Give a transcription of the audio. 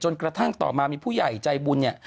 กระทั่งต่อมามีผู้ใหญ่ใจบุญเนี่ย